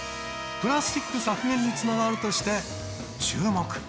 プラスチック削減に繋がるとして注目。